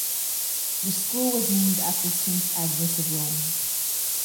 The school was named after Saint Agnes of Rome.